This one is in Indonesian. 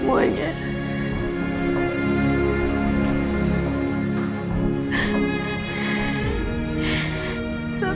kebaikan dari bagaimana